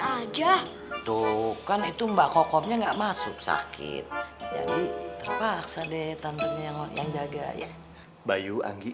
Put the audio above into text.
aja tuh kan itu mbak kokomnya enggak masuk sakit jadi terpaksa deh tantenya yang jaga ya bayu anggi